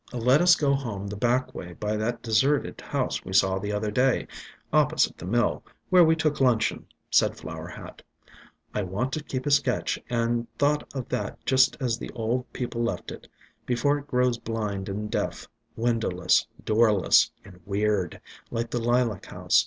"Let us go home the back way by that deserted house we saw the other day, opposite the mill, where we took luncheon," said Flower Hat. "I want to keep a sketch and thought of that just as the old people left it, before it grows blind and deaf, win dowless, doorless and weird, like the Lilac House.